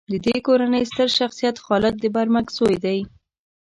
د دې کورنۍ ستر شخصیت خالد د برمک زوی دی.